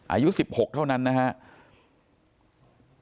อายุ๑๖เท่านั้นนะครับ